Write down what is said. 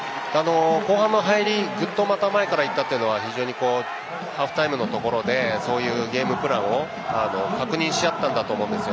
後半の入りグッと前から行ったというのは非常にハーフタイムのところでそういうゲームプランを確認し合ったと思うんです。